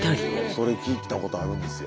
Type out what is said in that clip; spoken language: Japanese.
それ聞いたことあるんですよ。